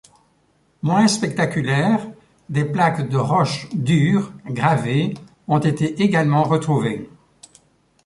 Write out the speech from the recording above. Moins spectaculaires, des plaques de roches dures gravées ont été également retrouvées.